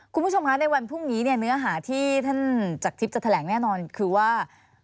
คุณผู้ชมคะในวันพรุ่งนี้เนี่ยเนื้อหาที่ท่านจักรทิพย์จะแถลงแน่นอนคือว่า